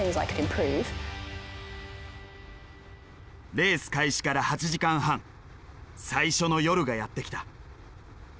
レース開始から８時間半最初の夜がやって来た。